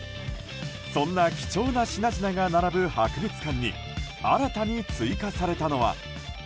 そんな貴重な品々が並ぶ博物館に新たに追加されたのが。